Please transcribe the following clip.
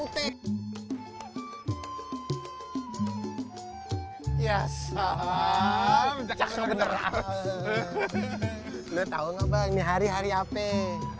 tahu hari hari apenya